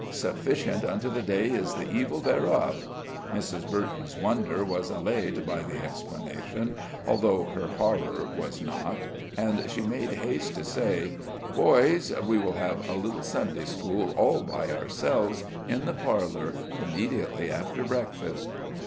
"Sufficient unto the day is the evil thereof." Mrs. Burton's wonder was allayed by the explanation, although her horror was not, and she made haste to say: "Boys, we will have a little Sunday school, all by ourselves, in the parlor, immediately after breakfast."